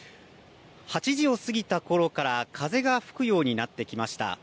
８時を過ぎたころから風が吹くようになってきました。